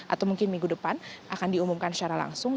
atau mungkin minggu depan akan diumumkan secara langsung